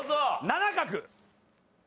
７画！